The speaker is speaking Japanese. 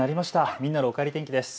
みんなのおかえり天気です。